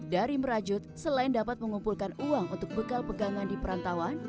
dari merajut selain dapat mengumpulkan uang untuk bekal pegangan di perantauan